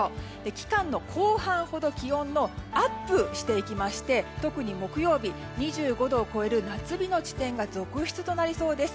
期間の後半ほど気温がアップしていきまして特に木曜日２５度を超える夏日の地点が続出となりそうです。